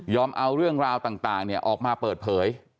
เอาเรื่องราวต่างออกมาเปิดเผย